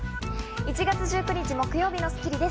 １月１９日、木曜日の『スッキリ』です。